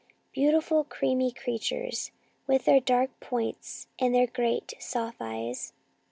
Beautiful creamy creatures, with their dark points and their great, soft eyes."